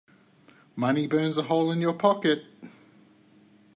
Money burns a hole in your pocket.